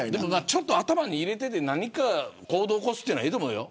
ちょっと頭に入れてて何か行動を起こすというのはいいと思うよ。